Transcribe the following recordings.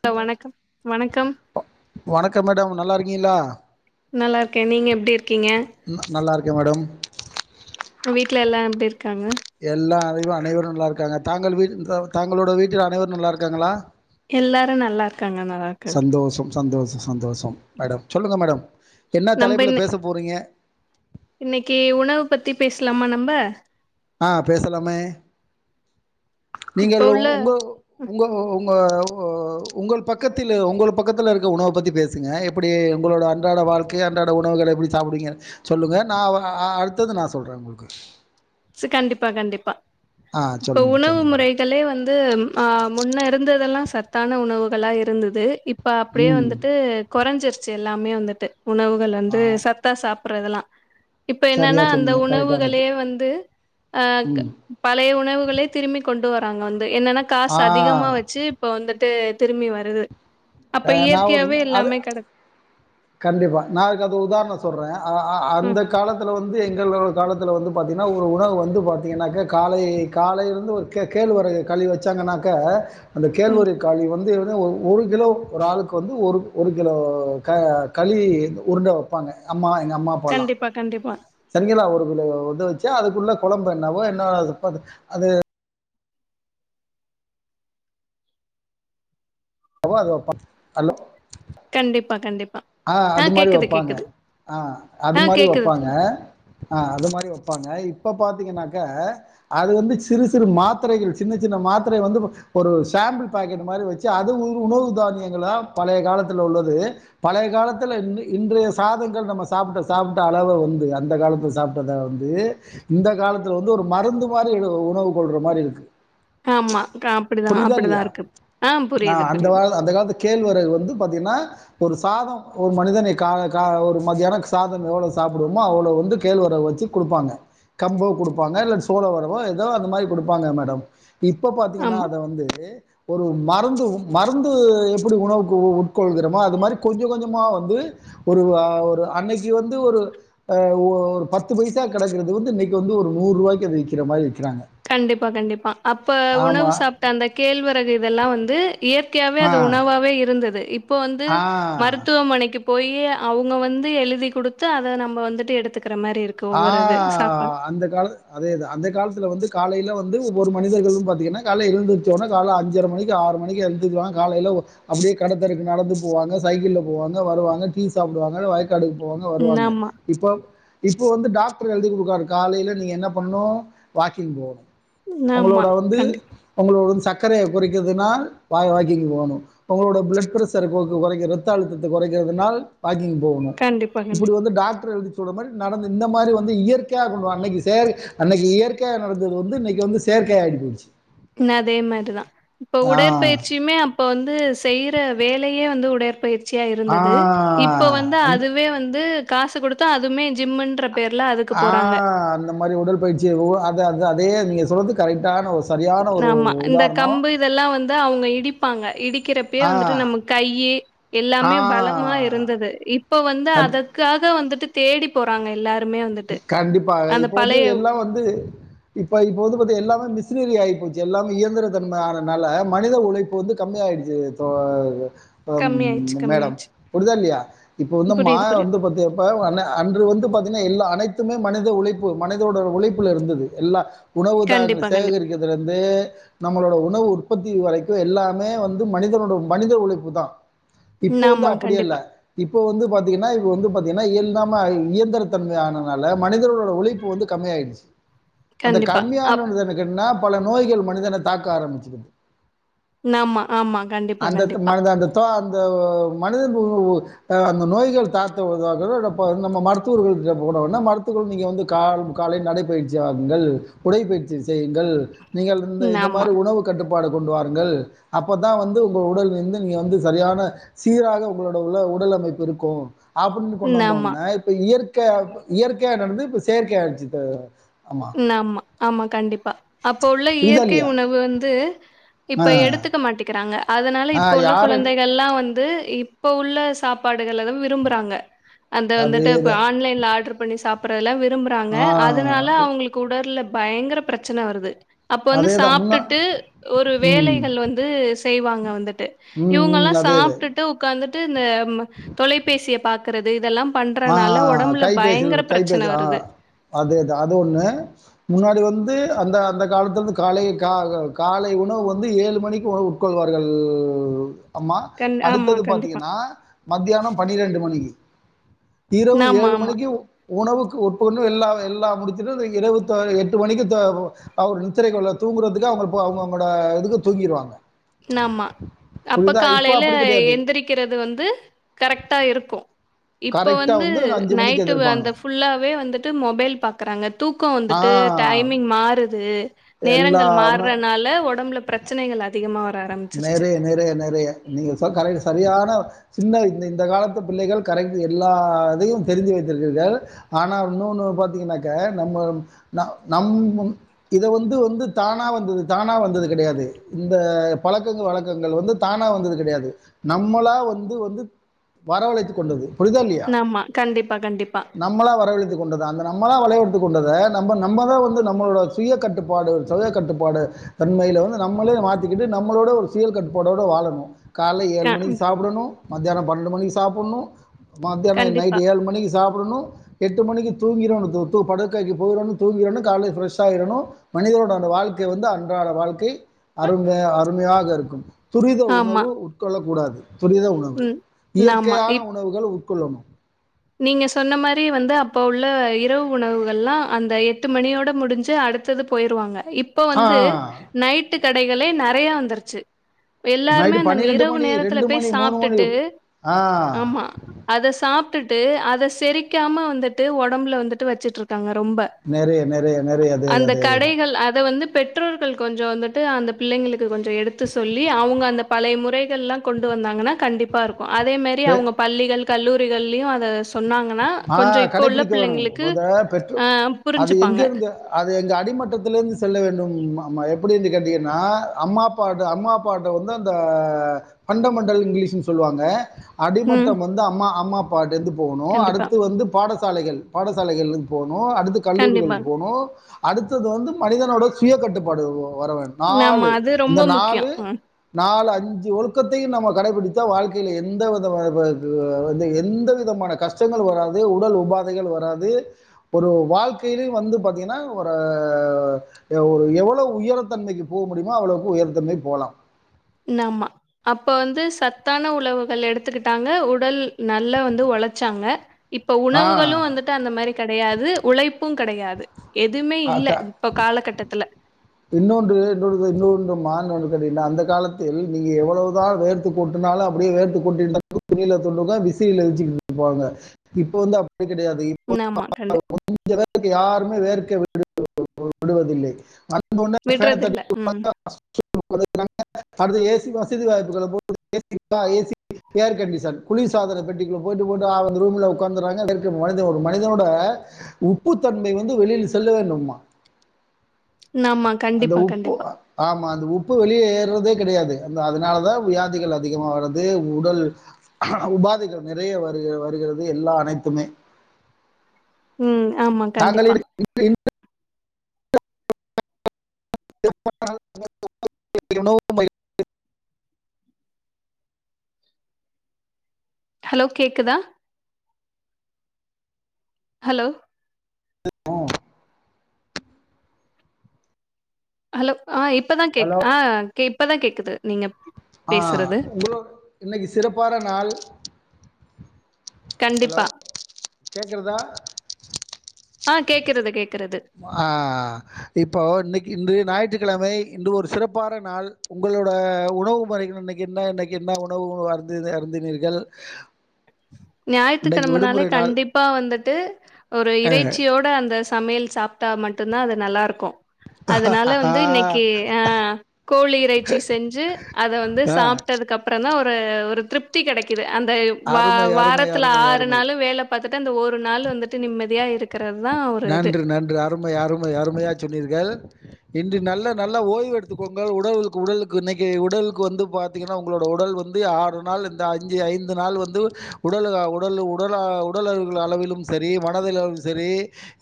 Hello வணக்கம் வணக்கம் வணக்கம் மேடம் நல்லா இருக்கீங்களா நல்லா இருக்கேன் நீங்க எப்படி இருக்கீங்க ந- நல்லா இருக்கேன் மேடம் வீட்டுல எல்லாம் எப்படி இருக்கு எல்லாம் அனைவரும் நல்லா இருக்காங்க தாங்கள் வீ தங்களோட வீட்டில் அனைவரும் நல்லா இருக்காங்களா எல்லாரும் நல்லா இருக்காங்க நல்லா இருக்காங்க சந்தோஷம் சந்தோஷம் சந்தோஷம் மேடம் சொல்லுங்க மேடம் என்ன நம்ப தலைப்பில் இன்னை பேச போகிறீங்க இன்னைக்கு உணவு பத்தி பேசலாமா நம்ம ஆஹ் பேசலாமே நீங்கள் இப்ப உள்ள உங்க உங்க உங்க உங்கள் பக்கத்தில் உங்க பக்கத்துல இருக்க உணவை பத்தி பேசுங்க எப்படி உங்களோட அன்றாட வாழ்க்கை அன்றாட உணவுக எப்படி சாப்பிடுங்க சொல்லுங்க நான் அடுத்தது நான் சொல்றேன் உங்களுக்கு ஸ் கண்டிப்பா கண்டிப்பா ஆ ப்ப சொல்லுங்கள் உணவு சொல்லுங்கள் மேடம் முறைகளே வந்து ம் ஆ முன்னே இருந்ததெல்லா சத்தான உணவுகளா இருந்துதூ இப் ப அப்டே ம் வந்துட்டூ கொறஞ்சீர்ச்சி எல்லாமே வந்துட்டூ உணவுகள் வந்து ஆ சத்தா சாப் புற இதெல்லா இப்பே சரியா என்னானா அந்த சொன்னீங்க கரெக்டானது. உணவுகளே வந்தூ ஆ க பழைய உணவுகளே திரும்பி கொண்டு வராங்கே வந் து என்னெனா காஸ் ஆ அதிகமா வெச்சு இப்ப வந்துட்டூ திருமி வருது அப்ப அ நான் ஒரு இயற்கையாவே அது எல்லாமே கெடக்கு கண்டிப்பா நா அதுக்கு அது ஒரு உதாரணம் சொல்றேன் ஆ ம் அந்தேக் காலத்துலே வந்தூ ந்து எங்களோட காலத்துலே வந்து பாத்தீங்னா ஒரு உணவு வந்து பாத்தீங்கனாகே காலை காலைலிந்து ஒரு கே கேள்வரகு களி வெச்சாங்கனாகே அந்த ம் கேள்வரகு களி வந்து த ஓ ஒரு கிலோ ஒரு ஆளுக்கு வந்து ஒரு ஒரு கிலோ ட களி உருண்ட வப்பாங்க அம்மா கண்டிப்பா கண்டிப்பா சங்கில்லா ஒரு [unintelligible] இத வச்சு அதுக்குள்ள கொழம்பேன்னவோ என்ன அது பது அது நவோ அது வெப்பாங் கல்லு கண்டிப்பா கண்டிப் ஆ அது மாரி வெப்பாங்க ஆ அது ஆ மாரி கேக்குது வெப்பாங்க தோழி ஆ அது மாரி வெப்பாங்க இ இப்ப பாத்தீங்கன்னாக்க அது வந்து சிறு சிறு மாத்திரைகள் சின்ன சின்ன மாத்திரை வந்து இப்போ ஒரு சேம்பிள் பாக்கெட் மாரி வெச்சி அது [unintelligible] உணவு தானியங்களா பழைய காலத்துல உள்ளது பழைய காலத்துல இந்து இன்றைய சாதங்கள் நம்ம சாப்புட்ட சாப்புட்ட அளவ வந்து அந்த காலத்து சாப்ட்டத வந்து இந்த காலத்துல வந்து ஒரு மருந்து மாரி ஏதோ உணவு கொள்ற மாரி இருக்கு ஆமா க அப்டிதா புரியுதா அப்டிதா இல்லீயா இருக்கு ஆ புரியுது அந்த புரியுது வால் அந்த காலத்து கேள்வரகு வந்து பாத்தீங்கன்னா ஒரு சாதோ ஒரு மனிதனை கால கால ஒரு மத்தியானோ சாதம் எவ்ளோ சாப்புடுவோமோ அவ்ளோ வந்து கேழ்வரக் வச்சி குடுப்பாங்க கம்பு குடுப்பாங்க இல்ல சோள வரவோ ஏதோ அந்த மாரி குடுப்பாங்க மேடம் இப்போ பாத்தீங்கன்னா ஆமா அத வந்து ஒரு மருந்து உம் மருந்து எப்புடி உணவுக்கு உட் கொள்கிறோமோ அது மாரி கொஞ்ச கொஞ்சமா வந்து ஒரு வ ஒரு அன்னைக்கி வந்து ஒரு அ ஒ ஒரு பத்து பைசா கடக்கிறது வந்து இன்னைக்கு வந்து ஒரு நூறு ரூவாய்கு அது விக்கிற மாரி கண்டிப்பா கண்டிப்பா அப்ப உணவு ஆமாம் சாப்ட்ட அந்த கேழ்வரகு வெல்லா வந்து இயற்கையாவே ஆ அது உணவாவே இருந்தது இப்போ வந்து ஆ மருத்துவமனைக்குப் போய் அவங்க வந்து எழுதி கொடுத்து அதை நம்ம வந்துட்டு எடுத்துக்க ஆஹ் அந்த கால அதே தான் அந்த காலத்துல வந்து காலையில வந்து ஒவ்வொரு மனிதர்களும் பாத்தீங்கன்னா காலையில எழுந்துருச்சோடனே காலைல அஞ்சரை மணிக்கு ஆறு மணிக்கு எழுந்துருவாங்க காலையில் அப்படியே கடைத்தெருவுக்கு நடந்து போவாங்க சைக்கிளில் போவாங்க வருவாங்க டீ சாப்பிடுவாங்க கடைக்கு போவாங்க ம் வருவாங்க ஆமா, இப்போ இப்போ வந்து டாக்டர் எழுதி கொடுக்காரு காலையில நீங்க என்ன பண்ணணும் வாக்கிங் போகணும் ஆமா. உங்களோட வந்து கண்டிப்பா, உங்களோட சக் சக்கரையை குறைக்கிறதுனா [unintelligible] வாக்கிங் போகணும் உங்களோட பிளட் பிரஷர் குறைக்க ரத்த அழுத்தத்தை குறைக்கிறதுனால் வாக்கிங் போகணும் கண்டிப்பா, இப்படி கண்டிப்பா. வந்து டாக்டர் எழுதி தொடமல் நடந்து இந்த மாதிரி வந்து இயற்கையா சொல்லுவாங்க அன்னை அன்னைக்கு இயற்கையா நடந்தது வந்து இன்னைக்கு வந்து செயற்கை ஆகிருச்சு இன்னும் அதே மாதிரிதான் இப்ப உடற்பயிற்சியுமே இப்போ வந்து செய்யற வேலையே வந்து உடற்பயிற்சி- சியா ஆ இருந்தது இப்போ வந்து அந்த அதுவே வந்து காசு கொடுத்தா அதுமே ஜிம்ன்ற ஆஹ் அந்த மாரி உடல் பயிற்சிவோ அத அ அதே நீங்க சொல்றது கரெக்டான ஒ- ஆமா இந்த கம்பு இதெல்லாம் வந்து அவங்க இடிப்பாங்க இடிக்கிறப்பயே ஆ வந்துட்டு நம்ம கையி ஆ எல்லாமே பலமா இருந்தது இப்ப வந்து கண் அதற்காக வந்துட்டு தேடி போறாங்க எல்லாரு கண்டிப்பா இப்ப வந்து எல்லாம் வந்து இப்ப இப்ப வந்து பாத்தா எல்லாமே மிஸ் னரி ஆகிப்போச்சு எல்லாம இயந்திர தன்மை ஆனதால மனித உழைப்பு வந்து கம்மி ஆயிடுச்சு தோழர் கம்மியாயிடுச்சு ம் மேடம் கம்மியாயிடுச்சு உடுதா இல்லயா இப்போ வந்து மா புரியுது புரியுது வந்து பார்த்தீங்க இப்ப அன்று வந்து பாத்தீனா எல்லா அனைத்துமே மனித உழைப்பு மனிதோட உழைப்புல இருந்தது எல்லா உணவு தானு கண்டிப்பா கண்டிப்பா சேகரிக்கிறதுல இருந்து நம்மளோட உணவு உற்பத்தி வரைக்கும் எல்லாமே வந்து மனிதனோட மனித உழைப்பு தான் இப்ப ம் வந்து ஆமா அப்படியல்ல கண்டிப்பா இப்ப வந்து பாத்தீங்கன்னா இப்ப வந்து பாத் ஏன்னா இயங்காம இயந்திரத்தன்மையானவ னால மனிதர்களோட உழைப்பு வந்து கம்மியாயிடுச்சு அந்த கண்டிப்பா அப் கம்மியானது எனக்கு என்னா பல நோய்கள் மனிதனை தாக்க ஆரம்பிச்சிருச்சு ஆமா ஆமா கண்டிப்பா அந்த த்து கண்டிப்பா மனத அந்த த அந்த மனித [unintelligible] ஓஓஅந்த நோய்கள் தாக்க வருவா நம்ம மருத்துவர்கள் போனஉடனே மருத்துவர் நீங்க வந்து காலை நடைபயிற்சி ஆகுங்கள் உடைப்பயிற்சி செய்யுங்கள் நீங்கள் இந்த ம் இந்த ஆமா மாரி உணவு கட்டுப்பாடு கொண்டு வாருங்கள் அப்பதா வந்து உங்க உடல் வந்து நீங்க வந்து சரியான சீராக உங்களோட உள உடல் அமைப்பு இருக்கு அப்டின்னு கொண்டு ம் ஆமா வந்தோன இப்ப இயற் க்க இயற்கைய நடந்து இப்ப செயற்கைய ஆயீச்சு நமா ஆமா கண்டிப்பா அப்போ உள்ள புரியுதா இயற்கை இல்லையா உணவு வந்து ஆ இப்ப எடுத்துக்க மாட்டிக்கிறாங்க அதனால ஆ இப்ப உள்ள யார் அது குழந்தைகள்லாம் வந்து இப்ப உள்ள சாப்பாடுகள்த விரும்புறாங்க அந்த அதே வந்துட்டு இ தான் ஆன்லைன்ல ஆர்டர் பண்ணி சாப்ப [unintelligible] விரும்புறாங்க ஆ அதனால அவங்க உடர்ல பயங்கர பிரச்சன வருது அப்ப வந்து அதே தான் முன்னா சாப்பிட்டுட்டு ஒரு ம். வேலைகள் வந்து செய்வாங்க வந்துட்டு ம், இவங்க ம். எல்லாம் அதேது. சாப்பிட்டுட்டு உட்கார்ந்துட [unintelligible] ம தொலைபேசிய பார்க்கறிறது இதெல்லாம் ஆஹ் கைபேச கைபேச வருது ஆஹ் அது இ அது ஒண்ணு முன்னாடி வந்து அந்த அந்த காலத்திருந்து காலை காலை உணவு வந்து ஏழு மணிக்கு உணவு உட்கொள்வார்கள் மா கண் ஆமா அடுத்தது கண்டிப்பா பாரத்தீங்கன்னா மத்தியானம் பன்னிரெண்டு மணி இரவு ஆமா ஏழு ஆமா மணிக்கு உணவுக்கு ஒப்புக்கண்டு எல்லா எல்லா எல்லா முடிச்சிட்டு இரவு எட்டு மணிக்கு ந தூங்கறதுக்கு அவங்க அவங்களோட தூங்கிடுவாங்க ஆமா அப்ப காலையில அப்படி கிடையாது. எந்திரிக்கிறது வந்து கரெக்டா இருக்கும் இப்ப கரெக்ட்டா வந்து மணிக்கு நைட்டு எந்திரிப்பாங்க. அந்த புல்லாவே வந்துட்டு மொபைல் பாக்குறாங்க தூக்கம் வந்துட்டு ஆ. டைமிங் மாறுது து நேரங்கள் எல்லாமே மாறுறனால உடம்புல பிரச்சனைகள் அது அதிகமா வர ஆரம்பிச்சிருச்சு. நிறைய நிறைய நிறைய நீங்க சொல் கரக்கு சரியான சின்ன இந்த இந்த காலத்தை பிள்ளைகள் கரெக்ட் எல்லா இதையும் தெரிஞ்சு வைத்திருக்கீர்கள் ஆனால் இன்னொன்று பார்த்தீங்கன்னாக்க நம்ம ந நம் இத வந்து வந்து தானாக வந்தது தானாக வந்தது கிடையாது இந்த பழக்கங்கள் வழக்கங்கள் வந்து தானா வந்தது கிடையாது நம்மளா வந்து வந்து வரவழைத்து கொண்டது புரிதோ இல்லையா ஆமா. கண்டிப்பா, கண்டிப்பா. நம்மளா வரவழத்து கொண்டதா அந்த நம்மளா வளைவத்து கொண்டத நம் நம்மதான் வந்து நம்மளட சுய கட்டுப்பாடு சுய கட்டுப்பாடு தன்மையில வந்து நம்மளே மாத்திக்கிட்டு நம்ம நம்மளோட ஒரு சுய கட்டு்பாடோடு வாழணும் காலைையில் க ஏழு மணிக்கு சாப்பிடணும் மத்தியானம் பன்னெண்டு மணிக்கு சாப்பிட்ணும் மத்தியானம் கண்டிப்பா. நைட்டு ஏழு மணிக்கு சாப்பிடணும் எட்டு மணிக்கு தூங்கிறோனு தூ தூ படுக்கைக்கு போயிறனு தூங்கிறோனு கால்ல ஃப்ரஸ் ஆயிரனு மனிதரோட அந்த வாழ்க்கை வந்து அன்றாட வாழ்க்கை அருமையா யாக இருக்கும் துரித ஆமா. உணவு உட்கொள்ளக் கூடாது துரித உணவு ம். ஆமா. இயற்கையான இப் உணவுகள் குல்லனு நீங்க சொன்ன மாரி வந்து அப்ப உள்ள இரவு உணவுகள்ல்லா அந்த எட்டு மணியோட முடிஞ்சு அடுத்தது போயிருவாங்க இப்ப ஆ வந்து நைட்டு கடைகளே நறைய வந்துருச்சு இப்ப எல்லாருமே நைட்டு அந்த இரவு மணி, நேரத்துல போய் மணி, மணி. சாப்பிட்டுட்டு ஆ ஆமா அத சாப் ட்டுட்டு அத செரிக்காம வந்துட்டு ஒடம்புல வந்துட்டு வச்சுட்டு இருக்காங்க நெறைய நெறைய நெறைய அதே அதே அதேதா கடைகள் அத வந்து பெற்றோர்கள் கொஞ்சோ வந்துட்டு அந்த பிள்ளைங்களுக்கு கொஞ்சோ எடுத்து சொல்லி அவங்க அந்த பழைய முறைகள் எல்லா கொண்டு வந்தாங்கன்னா கண்டிப்பா இருக் கு அதேமேரி பெ அவங்க பள்ளிகள் கல்லூரிகள் அத [unintelligible] ஆ கொஞ்சம் இப்போ உள்ள கடைபிடிக்க வேணும் பிள்ளைங்களுக்கு மொத அ அது புரிஞ்சுப்பாங்க. எங்கிருந்து அது எங்க அடிமட்டத்தில இருந்து செல்ல வேண்டும் எப்படி கேட்டீங்கன்னா அம்மா அப்பா அம்மா அப்பா வந்து அந்த ஃபண்டமெண்டல் இங்கிலீஷுனு சொல்லுவாங்க ம். அடிமட்டம் வந்து அம்மா அம்மா அப் படுதுப் போகணும் கண்டிப்பா, அடுத்து பாடசாலைகள் பாடசாலைகளிருந்து போக அடுத்து கண்டிப்பா. கல்லூரிகளுக்கு போணும் அடுத்தது வந்து மனிதனோட சுய கட்டுப்பாடு வரவேன் ஆமா. நாலு அது அந்த ரொம்ப முக்கியம். நாலு அ. நாலு அ அஞ்சு ஒழுக்கத்தையும் நம்ம கடைபிடித்த வாழ்க்கையில் எந்த விதமான எந்த விதமான கஷ்டங்கள் வராது உடல் உபாதைகள் வராது ஒரு வாழ்க்கையில வந்து பாத்தீன்னா ஒரு எவ்வளவு உயர்த்தன்மைக்கு போக முடியுமோ அவ்வளவுக்கு உயர்த்தன்மைக்கு போகலாம் நாம அப்ப வந்து சத்தான உணவுகள் எடுத்துக்கிட்டாங்க உடல் நல்லா வந்து உழைச்சாங்க இப்ப ஆ உணவுகளும் வந்துட்டு அந்த மாதிரி கிடையாது உழைப்பும் கிடையாது எதுவுமே இல்ல. அதா இப்ப காலகட்டத்துல. இன்னொன்று இன்னொன்று இன்னொன்று மா அந்த காலத்தில் நீ எவ்வளவு தான் வேர்த்து கொட்டுனாலும் அப்படியே வேர்த்து கொட்டினாலும் கிடையாது இப்பது ஆமா கண்டி [unintelligible] க யார் இன்னமே வேர்க்க விட் விடுவதில்லை விடுறதில்ல. ம். [unintelligible] [inaudible] [inaudible] ஏசி வசதி வாய்ப்புகள போட்டு ஏசி ஏர்கன்டிசன் குளிர்சாதன பெட்டிகுள்ள போட்டு போட்டு அவுங்க ரூம்ல உக்காந்துறாங்க ஒரு மனிதனோட உப்புத்தன்மை வந்து வெளியில செல்ல வேணுமா ஆமா கண்டிப்பா கண்டிப்பா ஆமா அந்த உப்பு வெளிய ஏற்றதே கெடையாது அந்த அதனாலதா வியாதிக அதிகமா வறது உடல் உபாதைகள் நெறைய வருக வருகிறது எல்லா அனைத்துமே உம் ஆமா கண்டிப்பா [inaudible] [inaudible] உணவு ஹலோ கேக்குதா ஹலோ [inaudible] உம் ஹலோ ஆஹ் இப்பதா கேக் ஹலோ ஆஹ் இப்பதா கேக்குது நீங்க ஆ பேசுறது உங்களோட இன்னைக்கு சிறப்பான நாள் ஹலோ கண்டிப்பா. கேக்றதா ஆஹ கேக்கிறது கேக் ஆஹ் இப்போ இன்னக்கி இன்று ஞாயிற்று கிழமை இன்று ஒரு சிறப்பான நாள் உங்களோட உணவு முறைகள இன்னக்கு என்ன இன்னக்கு என்ன உணவு அருந்தின அருந்தினீர்கள் இன்னைக்கு ஞாயித்துக்கிழமனாலே விடுமுறை நாள் கண்டிப்பா வந்துட்டு ஒரு அ. இறைச்சியோட அந்த சமையல் சாப்ட்டா மட்டு தா அது நல்லா இருக்கு அதனால வந்து இன்னைக்கு ஆஹ் கோழி இறைச்சி செஞ்சு அத வந்து ஆ சாப்ட்டதுக்கு அப்புற தா ஒரு ஒரு ஒரு திருப்தி கெடக்குது அந்த வா அருமை அருமை வாரத்துல அருமை ஆறு அருமை நாளு வேல பாத்துட்டு அந்த ஒரு நாள் வந்துட்டு நிம்மதியா இருக் நன்று நன்று அருமை அருமை அருமையா சொன்னீர்கள் இன்று நல்ல நல்ல ஓய்வு எடுத்துக்கோங்க உடலுக்கு உடலுக்கு இன்னைக்கு உடலுக்கு வந்து பாத்தீங்கன்னா உங்களோட உடல் வந்து ஆறு நாள் இந்த அஞ்சு ஐந்து நாள் வந்து உடல உடல் உடல உடல் அளவிலும் சரி மனதளவிலு சரி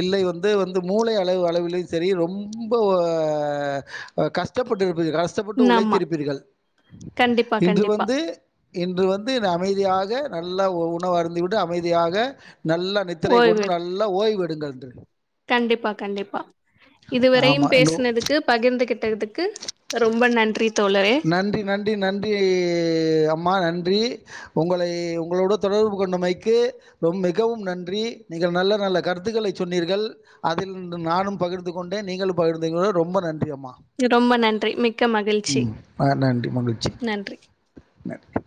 இல்லை வந்து வந்து மூளை அளவு அளவிலும் சரி ரொம்ப ஆஹ் கஷ்டப்பட்ருப் [unintelligible] கஷ்டப்பட்டு ம், ஆமா உழைத்திருப்பீர்கள் கண்டிப்பா இன்று கண்டிப்பா வந்து இன்று வந்து அமைதியாக நட நல்ல உணவு அருந்துவிட்டு அமைதியாக நல்ல நித்திரை ஓய்வு கொண்டு எடு- நல்ல ஓய்வெடுங்கள் இன்று கண்டிப்பா கண்டிப்பா ஆமா. இதுவரையும் நோ பேசுனதுக்கு பகிர்ந்துகிட்டதுக்கு ரொம்ப நன்றி தோழரே நன்றி நன்றி நன்றி அய் அம்மா நன் றி உங்களை உங்களோடு தொடர்பு கொண்டமைக்கு ரொ மிகவும் நன்றி நீங்கள் நல்ல நல்ல கருத்துக்களை சொன்னீர்கள் அதில் நானும் பகிர்ந்து கொண்டேன் நீங்களும் பகிர்ந்திங்க ரொம்ப நன்றி அம் ரொம்ப நன்றி மிக்க மகிழ்ச்சி ஆ நன்றி மகிழ்ச்சி நன்றி நன்றி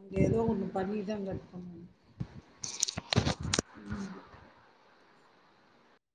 அங்க ஏதோ ஒன்னு பண்ணிட்டுதாங்க இருக்காங்க ம்